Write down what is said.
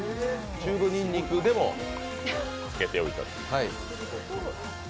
チューブにんにくでつけておいたもの。